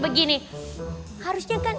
hai harusnya nggak